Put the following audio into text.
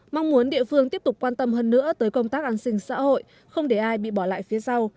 mong muốn địa phương tiếp tục quan tâm hơn nữa tới công tác an sinh xã hội không để ai bị bỏ lại phía sau